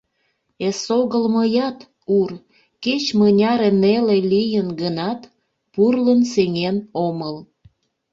Эсогыл мыят, Ур, кеч мыняре неле лийын гынат, пурлын сеҥен омыл.